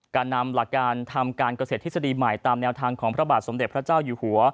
การนำหลักการทำการเกษตรทฤษฎีใหม่ตามแนวทางของพระบาทสมเด็จพระเจ้าอยู่หัว